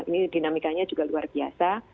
ini dinamikanya juga luar biasa